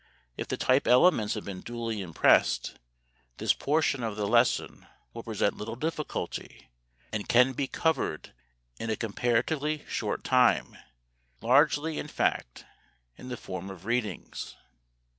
If the "type elements" have been duly impressed, this portion of the lesson will present little difficulty and can be covered in a comparatively short time, largely, in fact, in the form of readings.